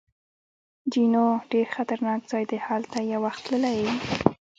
جینو: ډېر خطرناک ځای دی، هلته یو وخت تللی یې؟